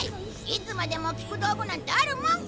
いつまでも効く道具なんてあるもんか！